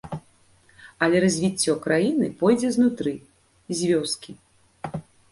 Але развіццё краіны пойдзе знутры, з вёскі.